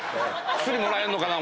薬もらえんのかなと。